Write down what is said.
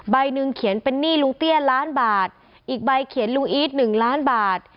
หนึ่งเขียนเป็นหนี้ลุงเตี้ยล้านบาทอีกใบเขียนลูอีทหนึ่งล้านบาท